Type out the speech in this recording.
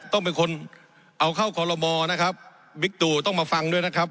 ต้องเป็นคนเอาเข้าคอลโลมอนะครับบิ๊กตู่ต้องมาฟังด้วยนะครับ